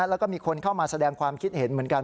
แล้วก็มีคนเข้ามาแสดงความคิดเห็นเหมือนกัน